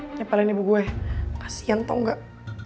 gak mau udah ngomongin emak gue kasian tau gak